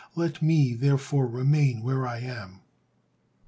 Let me therefore remain where I am."